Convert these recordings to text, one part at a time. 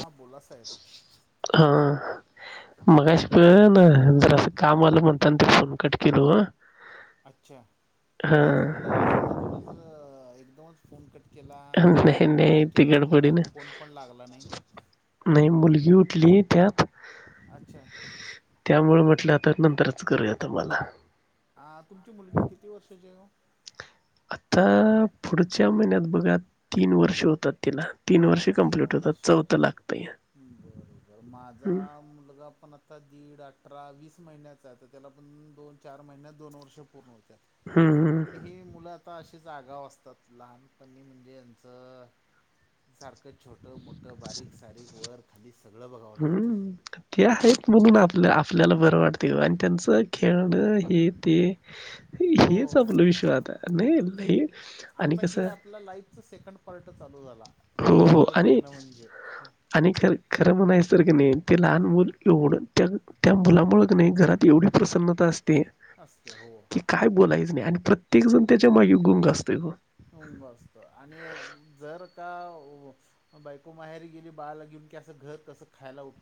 हां बोला साहेब. [inaudible] ह. मगा पण जरा सं काम आलं म्हणतात तस ते फोन कट केलो ह. अच्छा तेच म्हटलं असं मधूनच एकदमच फोन कट केला [unintelligible] मी क्ली परत ट्राय केला ह्याप तुमचा फोन पण लागला नाही. अच्छा. [inaudible] त्यामुळे म म्हटलं आता नंतरच करूयात तुम्हाला हा तुमची मुलगी किती वर्षाची आहे हो? आता आ पुढच्या महिन्यात बघा तीन वर्ष होतात तिला तीन ह वर्ष तीन कंप्लीट वर्ष होतात चौथं लागतंय बरोबर माझा हम्म मुलगा पण आता दीड अठरा वीस महिन्याचा आहे तर त्याला, पण दोन-चार महिन्यात दोन वर्ष पूर्ण हम्म होत पण हे मुलं आता अशीच जागा असतात, लहानपणी म्हणजे यांचं. सारखं छोट, छोट मोठ बारीक सारीक वरक खालीच [unintelligible] [unintelligible] म्हणून आपल्या आपल्याला बर वाटते आणि त्यांचं खेळणं हे ते हो हेच हो आपलं विश्व आता. नाही-नाही. आता हे आपल्या लाईफच सेकंड पार्ट [unintelligible] हो हो सगळं आणि बघणं म्हणजे आणि ख [unintelligible] खरं म्हणायच तर की नाही ते लहान मुल एवढं त्या-त्या मुलामुं क नाही घरात एवढी प्रसन्नता असते ते असते हो की काय बोलायचं नाही आण प्रत्येक जण त्याच्या मागे गुंग असत गुंग [unintelligible] असत आणि जर का बायको माहेरी गेली बाळाला घेऊन की असं घर कसं खायला उत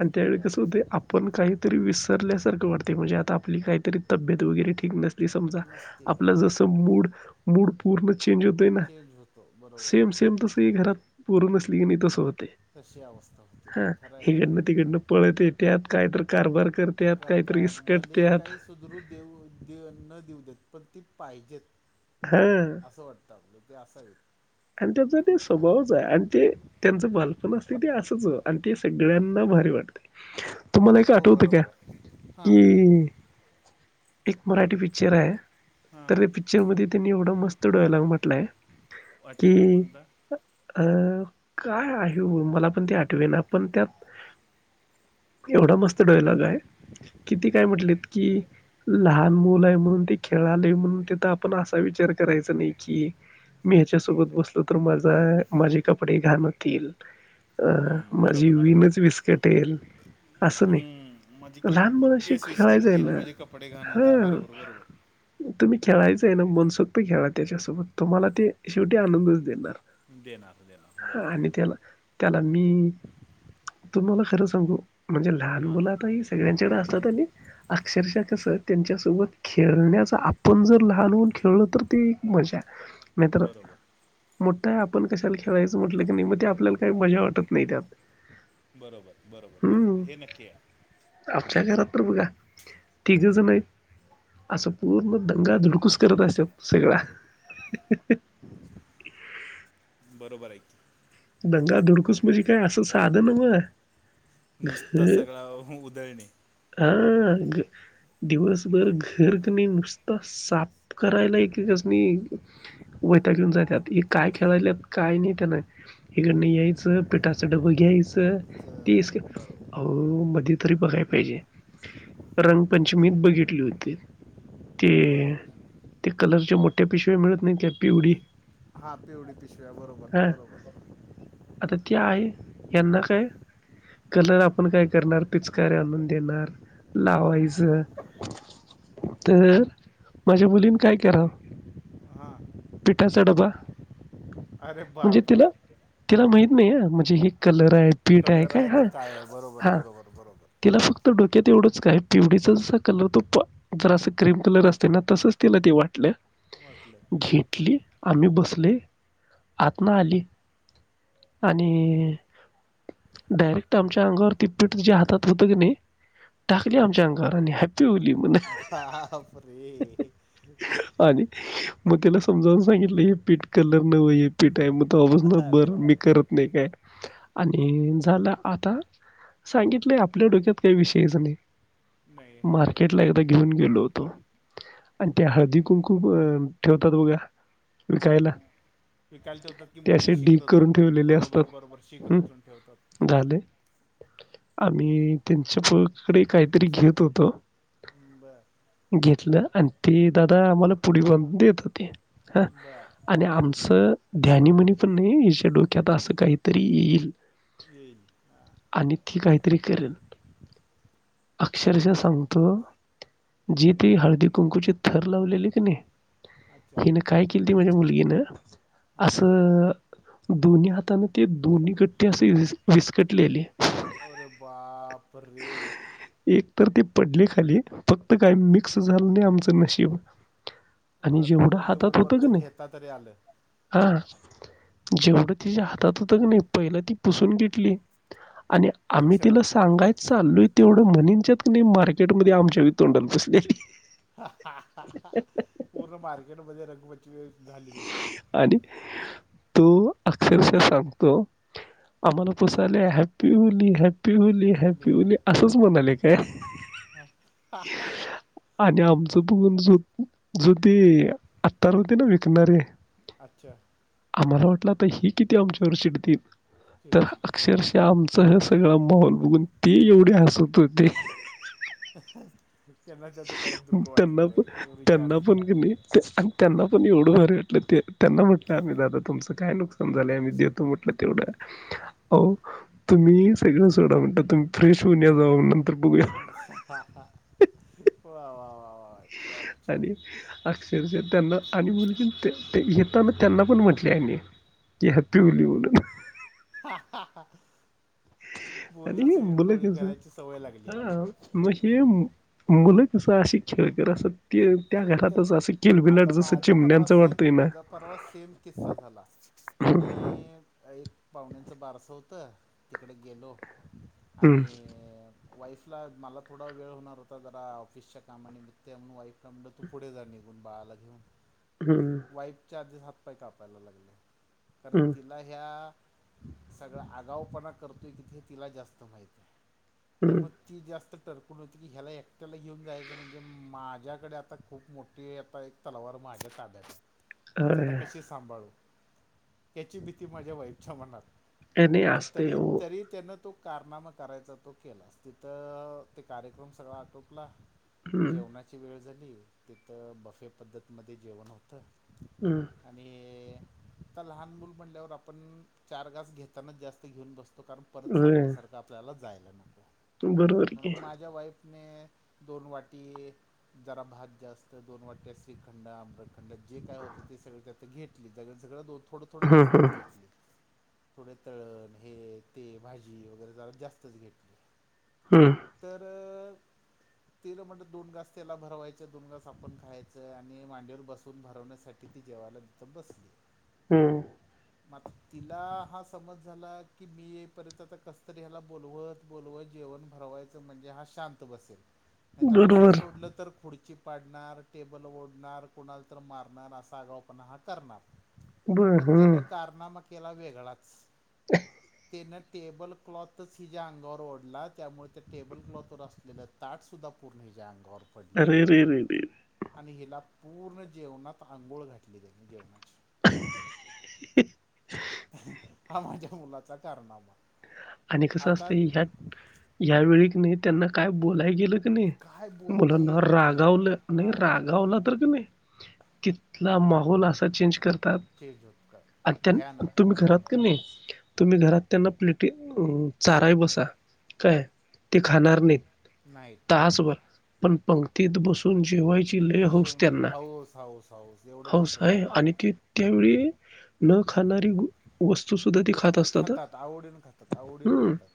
आणि त्यावेळी कसं होत आपण काहीतरी विसरल्यासारखं को वाटतय म्हणजे आता आपली काहीतरी तब्येत वगैरे ठीक नस ली समजा नसते आपलं हो जस मूड मूड पूर्ण चेंज होतंय ना चेंज होतो बरोबर सेम सेम तस ही घरात पोर नस नेहमी तस होत तशी अवस्था होती खरंय खरंय तिकडन पळत येत्यात काहीतरं कारभार करत्यात काहीतरी करतात भले इस्कटत्यात काही सुधरू देऊ दे न देऊ देत पण ती पाहिजेत. ह [unintelligible] ते असायत. आणि त्याचा ते स्वभावच आहे आणि ते त्यांचं बालपण असल का ते असंच आणि ते सगळ्यांना भारी वाटतय. तुम्हाला एक हो आठवतं काय बरोबर आहे हां की एक मराठी पिक्चर आहे हां तर त्या पिक्चर मध्ये त्यांनी एवढा मस्त डायलॉग म्हटलाय की अच्छा कोणता हा काय आहे हो मला पण ते आठवे ना पण त्यात एवढा मस्त डायलॉग आहे की ते काय अच्छा म्हटलेत की लहान मुल आहे म्हणून ते खेळाले म्हणून तेथ आपण असा विचार करायचा नाही की मी ह्याच्यासोबत बसल तर माझा माझे कपडे घाण होतील. अ हम्म, माझी बरोबर वीणच बरोबर विस कटेल. असं नाही हम्म माझी के लहान मुलांशी केसेस खेळायचं कटतील ना माझे कपडे घाण होतील हा बरोबर बरोबर तुम्ही खेळायच ते हाय ना मनसोक्त घ्याव्या त्याच्यासोबत तुम्हाला ते शेवट आनंद चं देणार. देणार देणार आणि बरोबर त्याला त्याला मी तुम्हाला खरं सांगू म्हणजे लहान हां मुलं आता ही सगळ्यांच्याकड असतात आणि अक्षरशः कस त्यांच्यासोबत खेळण्याचा आपण जर लहान होऊन खेळलो तर ते एक मजा बरोबर मोठ आपण कशाला खेळायचं म्हटलं की नाही मग ते आपल्याला काय मजा वाटत नाही त्यात बरोबर बरोबर बरोबर हम्म हे नक्की आहे. आमच्या घरात बघा तिघजन आहेत असं पूर्ण दंगा धूडकूस करत असतात सगळा बरोबर आहे की दंगाधुडकुस म्हणजे काय असं साध नव्ह. नुसता ह सगळा उदळणे. हा दिवसभर घर कमी नुसत साफ करायला एकेकासनी वैताग येऊन जात्यात ये काय खेळायल्यात काय नाई त्याना हीकडन यायचं पिठाचा डब घ्यायचं तर तेच की बरोबर आहो मध्ये तरी बघाय पाहिजे रंग पंचमीत बघितली होती ते बरोबर ते कलरच्या मोठ्या पिशव्या मिळत नाही त्या पिवडी हा पिवळी पिशवी हाय बरोबर हा बरोबर आता ते आहे हयांना काय? कलर आपण काय करणार पिचकारे आणून देणार लावायच तर माझ्या मुलीने काय करावं हां पिठाचा डबा अरे म्हणजे तिला बापरे. तिला माहीत नाही हं म्हणजे हे कलर पीठ आहे कलर का काय आहे बरोबर काया बरोबर बरोबर तिला फक्त डक तेवढंच काय पिवणीचा ज कलर तो जरा असं क्रीम कलर असते ना तसच तिला ते वाटलं वाटलं घेतली आम्ही बसले आत न आली. आणि अच्छा डायरेक्ट आमच्या अंगावर ती पीठ तुझ्या हातात होत क नाही टाकली आमच्या अंगावर आणि हॅपी होली म्हने. बापरे मग त्याला समजावून सांगितलं हे पीठ कलर नवं हे पीठ आहे मग तवा पासन अरे बर मी करत बापरे. नाही काय आणि झालं आता सांगितले आपल्या डोक्यात काही विषयच नाही. नाही मार्केट बरोबर ला एकदा घेऊन गेलो होतो तो. आणि त्या ओके हळदी कुंकू अ ठेवतो दोघं हा विकाय ते होतात की मोठे असे ढीग शिखर करून ठेवलेले बरोबर असतात. बरोबर शीख हं, रचून ठेवतात. झाले. आम्ही त्यांच्या पकडे काहीतरी घेत होतो बर घेतलं. आणि ते दादा आम्हाला पुडी बनून देत होते. हा बर आणि आमचं ध्यानीमनी पण नाही डोक्यात असं काहीतरी येईल. हां आणि ती काहीतरी करल अक्षरशा सांगतो, जी ती हळदी कुंकुची थर लावली की नय अच्छा हिन काय केल ती माझी मुलगी न हां असं दोन्ही हाताने ते दोन्ही गट्टे असे वीस विस्कटलेले अरे बाप! परे. एक तर ती पडली खाली फक तर काही मिक्स झालं नाही आमचं नशीब आणि वर जेवढं म्हणजे हातात होत का वरवरचं नाही घेता तरी आलं. हा जेवढं तिच्या हातात होतं की नाही पाहिलं ती पुसून घेतली आणि आम्ही अच्छा तिला सांगाय तेवढं म्हणींच्यात नी मार्केटमध्ये आमच्या तोंडाला फसलेली पूर्ण मार्केटमध्ये रंग वेळ झाली तुमची. आणि तो अक्षरशा सांगतो आम्हाला पुसाल हॅपी होली हेप हॅपी होली हैप्पी अली होली असच म्हणालय काय? हां आणि आमच बघूनजो जो ते आकार होता न. न रे अच्छा? आम्हाला वाटलं आता ही किती आमच्यावर चिडतील. तर कीर्ती अक्षरशा आमच ह सगळं माहोल बघून ते एवढे हसत होते. [inaudible] काहीच दुःख त्यांना वाटलं नाही पण पोरीच्या त्यांना पण आनंदात. कीनी अन त्यांना पण एवढं भर वाटलं ते त्यांना म्हटलं आम्ही दादा तुचं काय नुकसान झालेय आम्ही देतो म्हण तेवढ अहो तुम्ही सगळं सोडा म्हटलं तुम्ही फ्रेश होऊन या जाऊन हा हा वा वा वा वा अच्छा अच्छा आणि अक्षरश त्यांना आणि मुलगी त्या ते येताना त्यांना पण म्हटले आहे मी ते हॅपी होली बर बोलून पोरीला आणि सगळीकडे मुलं होळी कस करायची सवय लागली आहे हा मला म सेम मुलं कसं अशी खेळकर असत. आता जसं माझ परवास चिमण्यांचं सेम वाटतंय ना माझ परवास सेम किस्सा झाला मी एक पाहुण्यांच बारस तर तिकडे गेलो. हम्म आणि अ वाईफला मला थोडा वेळ होणार होता जरा ऑफिसच्या कामानिमित्य म्हणून वाईफ म्हणलं तू पुढे जा निघून बाळाला घेऊन. हम्म पाय कापायला लागले. कारण हम्म तिला ह्या सगळा आगावपणा करतोय कि हे तिला जास्त माहितीये. हम्म त्यामुळे ती जास्त ह्याला एकट्याला घेऊन जायचं म्हणजे माझ्या तरी आता खूप मोठी आता एक तलवार माझ्या ताब्यात मी त्याला होय कसे सांभाळू? त्याची भीती माझ्या वाइफच्या मनात. आणि बर असतंय तरी, हो तरी त्यांना तो कारनामा करायचा तो केला. तिथं, ते कार्यक्रम सगळा आटोपला. हम्म जेवणाची वेळ तिथं बफे पद्धतमध्ये जेवण होतं. हम्म आणि अ. आता लहान मुल म्हणल्यावर आपण चार घास घेताना जास्त घेऊन बसतोयं. कारण परत सारखं सारखं आपल्यालाच जायला नको. तुम बरोबर कि आणि दोन वाटी जरा भात जास्त दोन वाट्या श्रीखंड, आम्रखंड जे काय होतं, ते सगळं त्यातलं घेतली कारण सगळं दोन थोड थोड हम्म हम्म जास्तच घेतली. थोड त- ते हे भाजी वगैरे जास्तच घेतली. हम्म तर अ ते गं म्हणलं दोन घास. त्याला भरवायचं दोन घास आपण खायचं आणि मांडीवर बसून भरवण्यासाठी ती जेवायला तिथं बसली. हम. तिला हा समज झाला कि, मी येईपर्यंत कसतरी बोलवत बोलवत जेवण भरवायचं म्हणजे हा शांत बसेल. नाहीतर असंच बरोबर. सोडलं तर खुर्ची पाडणार टेबल ओढणार कुणाला तर मारणार असा आगाऊ पणा हा करणार. बर मग हम्म त्यानं कारणा मा केला वेगळाच. [unintelligible] ते टेबल क्लॉथच हि ज्या अंगावर ओढला त्यामुळं, त्या टेबल क्लॉथ वर असलेला ताट सुद्धा पूर्ण जाम अरे! रे रे रे. आणि हिला पूर्ण जेवणात आंघोळ घातली, त्यांनी जेवणाची. ह हि हि. हा माझ्या मुलाचा कारनामा. आणि कसं आता असतं ह्यात यावेळी नाही त्यांना काय बोलाय गेलं क नाही काय बोलता मुलांना येत नाही रागावलं नाही रागावलं की रागावला तर क नाही तिथंला माहौल असा चेंज कर चेंज होत काय तात भयानक तुम्ही घरात क भयानक नाही तुम्ही घरात त्यांना प्ले चाराय बसा, काय ते खाणार नाहीत. नाहीत नाही तासभर पण, पंक्तीत बसून. जेवायची लय होऊस जेवणात त्यांना, हाऊस हाऊस हाऊस एवढं हाऊस मात्र आहे खरं आणि ती. त्यावेळी न खाणारी वस्तू सुद्धा ती खात असतात खातात आवडीन खातात. आवडीन हम्म खातात.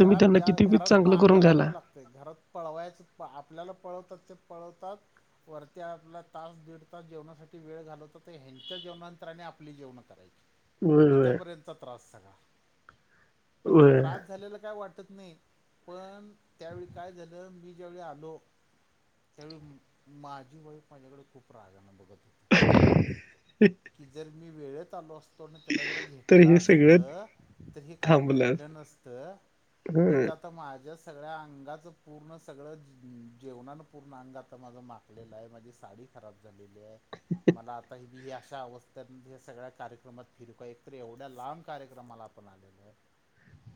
तुम्ही त्यांना किती बी घरात चांगलं मागं करून घाला लागावं लागतय घरात पळवायचं आपल्याला पळ तात ते पळवतात, वर ते आपला तास दीड तास जेवणासाठी वेळ घालवतात. ह्यांच्या जेवणांतराने आपली जेवण करायची. व्हय इथं व्हय पर्यंतचा त्रास सगळा. पण ते व्हय त्रास झालेला काय वाटत नाही. पण त्यावेळी काय झालं, मी ज्यावेळी आलो. त्यावेळी माझी वाईफ माझ्याकडे खूप रागाना बघत होती. कि जल. मी वेळेत आलो असतो. [unintelligible] तर इतल हे असत सगळं तर, हे काय थांबलं घडलं नसत ह इथं आता माज माझ्या सगळ्या अंगाचं पूर्ण सगळं, जेवणान पूर्ण अंग आता माझं माकलेलं आहे माझी साडी खराब झालेली आहे. मला आता इथं मी अशा अवस्थेत, सगळ्या कार्यक्रमात फिरु काय एक एवढ्या लांब कार्यक्रमाला आपण आलेलोय.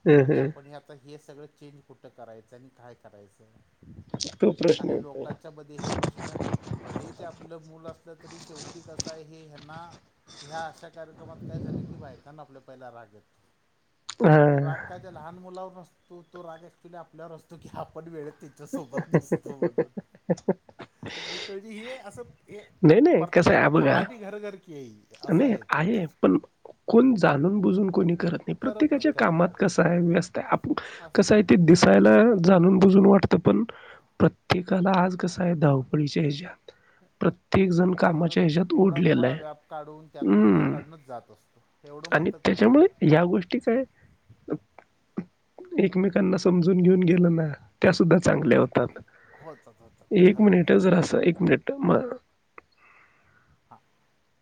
ह आणि ह आपण हे आता इथं हे सगळं चेंज कुठं करायचं, आणि काय करायचं तो प्रश्न आणि होता लोकांच्या मध्ये हे प्रश्न, भले ते आपलं मूल असलं तरी शेवटी कस आहे हे ह्यांना. ह्या अशा कार्यक्रमात काय झाली की कि बायकांना आपल्या पहिला राग येतो. हा तो राग काय त्या, लहान मुलावर नसतो. तो तो राग ऍक्च्युली आपल्यावर असतो, की आपण वेळेत तिचा सोबत नसतो म्हणून. म्हणजे हे असं ये नाही प्रत्येक कहाणी घर घर की हे ये. आणि आहे पण, कोण जाणून बुजून कोणी करत नाही, नाही प्रत्येकाच्या करत कामात नाही कसा आहे, व्यस्त आप कस असतं आहे ते दिसायला. जाणून बुजून वाटत, पण प्रत्येकाला आज कसं आहे धावपळीच्या हेच्यात प्रत्ये े एक जण त्याला कामाच्या ह्याच्यात थोडा ओढलेला थोडा आहे व्याप काढून त्यातून वेळ हं. काढूनच जात असतो एवढं आणि मात्र खरं त्याच्यामुळे आहे ह्या गोष्टी काय एकमेकांना समजून घेऊन गेलं ना त्या सुद्धा चांगल्या होतात होच होच एक खरं आहे मिनिट खरं जर आहे. असं एक मिनिट म हा [inaudible]